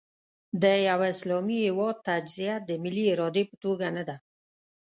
د یوه اسلامي هېواد تجزیه د ملي ارادې په توګه نه ده.